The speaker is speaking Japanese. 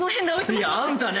いやあんたね。